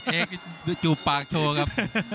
เอกจูบปากโชว์ครับ